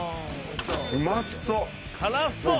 うまそう。